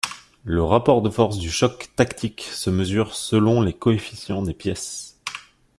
Le rapport de force du choc tactique se mesure selon les coefficients des pièces.